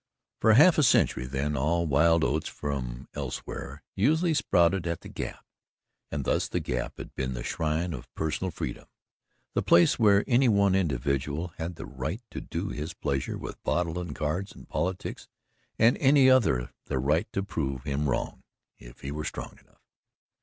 For half a century, then, all wild oats from elsewhere usually sprouted at the Gap. And thus the Gap had been the shrine of personal freedom the place where any one individual had the right to do his pleasure with bottle and cards and politics and any other the right to prove him wrong if he were strong enough.